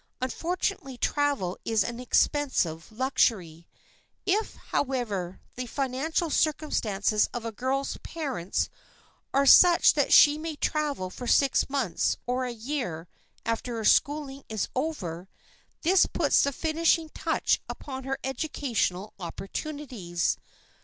Unfortunately travel is an expensive luxury. If, however, the financial circumstances of a girl's parents are such that she may travel for six months or a year after her schooling is over, this puts the finishing touch upon her educational opportunities.